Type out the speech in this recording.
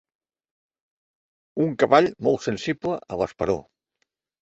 Un cavall molt sensible a l'esperó.